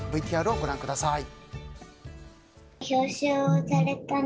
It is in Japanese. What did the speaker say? ＶＴＲをご覧ください。